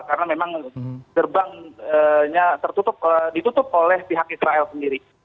karena memang gerbangnya ditutup oleh pihak israel sendiri